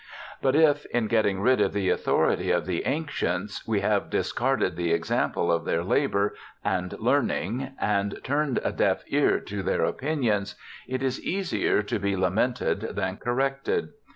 But if, in getting rid of the authority of the Ancients, we have discarded the example of tneir labour and learning, and turned a deaf ear to their opinions, it is easier to be lamented than corrected.